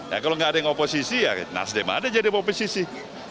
ya kalau nggak ada yang oposisi ya nasdem ada jadi oposisi